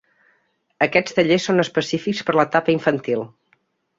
Aquests tallers són específics per a l'etapa d'infantil.